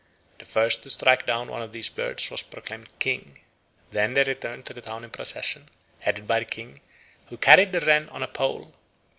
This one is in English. The first to strike down one of these birds was proclaimed King. Then they returned to the town in procession, headed by the King, who carried the wren on a pole.